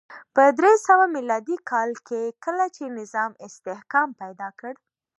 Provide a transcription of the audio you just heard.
په درې سوه میلادي کال کې کله چې نظام استحکام پیدا کړ